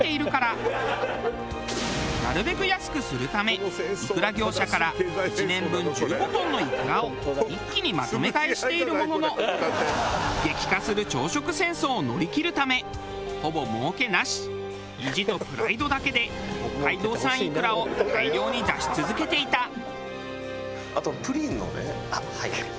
なるべく安くするためいくら業者から１年分１５トンのいくらを一気にまとめ買いしているものの激化する朝食戦争を乗り切るためほぼ儲けなし意地とプライドだけで北海道産いくらを大量に出し続けていた。